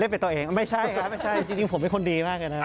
เป็นตัวเองไม่ใช่ครับไม่ใช่จริงผมเป็นคนดีมากเลยนะครับ